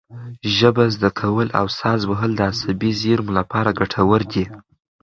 ژبه زده کول او ساز وهل د عصبي زېرمو لپاره ګټور دي.